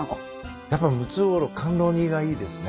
やっぱムツゴロウ甘露煮がいいですね。